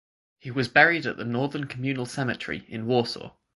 He was buried at the Northern Communal Cemetery in Warsaw.